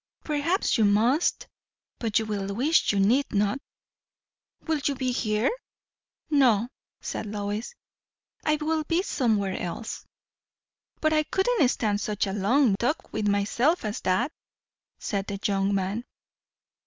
"Perhaps you must; but you will wish you need not." "Will you be here?" "No," said Lois. "I will be somewhere else." "But I couldn't stand such a long talk with myself as that," said the young man.